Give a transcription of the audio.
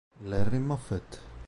Larry Moffett